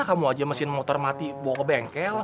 kamu aja mesin motor mati bawa ke bengkel